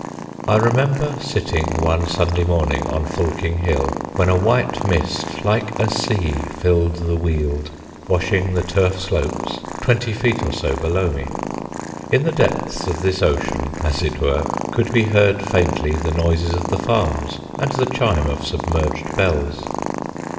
I remember sitting one Sunday morning on Fulking Hill when a white mist like a sea filled the Weald, washing the turf slopes twenty feet or so below me. In the depths of this ocean, as it were, could be heard faintly the noises of the farms and the chime of submerged bells.